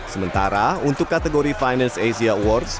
sementara untuk kategori finance asia awards